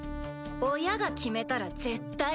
親が決めたら絶対？